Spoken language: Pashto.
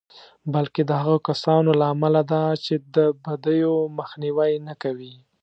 بلکې د هغو کسانو له امله ده چې د بدیو مخنیوی نه کوي.